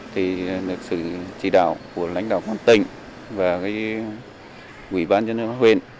thì được sự chỉ đạo của lãnh đạo quán tỉnh và quỹ ban dân nước huyện